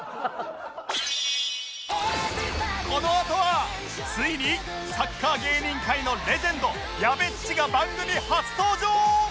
このあとはついにサッカー芸人界のレジェンドやべっちが番組初登場！